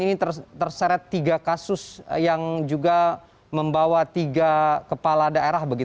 ini terseret tiga kasus yang juga membawa tiga kepala daerah